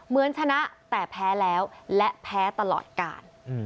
เหมือนชนะแต่แพ้แล้วและแพ้ตลอดกาล